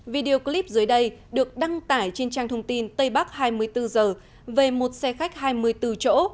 video clip dưới đây được đăng tải trên trang thông tin tây bắc hai mươi bốn h về một xe khách hai mươi bốn chỗ